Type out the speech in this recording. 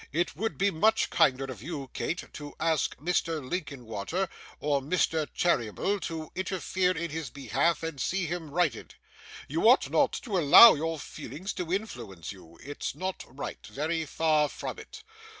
It would be much kinder of you, Kate, to ask Mr. Linkinwater or Mr. Cheeryble to interfere in his behalf, and see him righted. You ought not to allow your feelings to influence you; it's not right, very far from it.